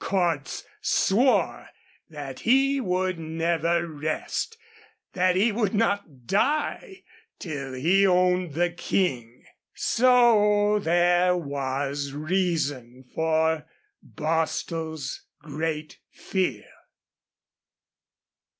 Cordts swore that he would never rest, that he would not die, till he owned the King. So there was reason for Bostil's great fear.